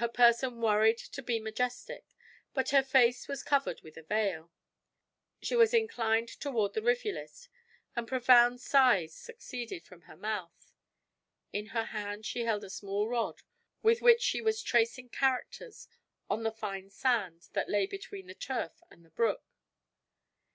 Her person worried to be majestic; but her face was covered with a veil. She was inclined toward the rivulet, and profound sighs proceeded from her mouth. In her hand she held a small rod with which she was tracing characters on the fine sand that lay between the turf and the brook.